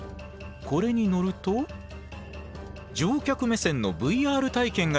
これに乗ると乗客目線のＶＲ体験ができるんです。